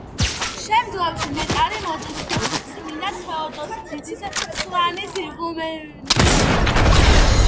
შემდგომში ნეტარი მოდესტოსი წმიდა თეოდოსი დიდის სავანის იღუმენი იყო.